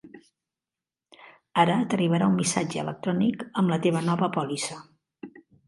Ara t'arribarà un missatge electrònic amb la teva nova pòlissa.